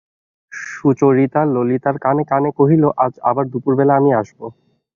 সুচরিতা ললিতার কানে কানে কহিল, আজ আবার দুপুরবেলা আমি আসব।